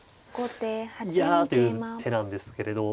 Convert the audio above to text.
「いや」という手なんですけれど。